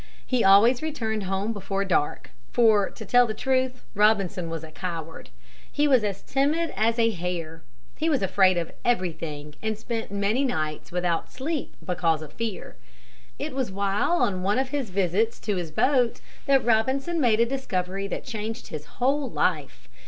He always returned home before dark, for to tell the truth, Robinson was a coward. He was as timid as a hare. He was afraid of everything and spent many nights without sleep because of fear. It was while on one of his visits to his boat that Robinson made a discovery that changed his whole life.